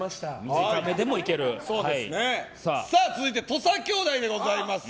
続いて、土佐兄弟でございます。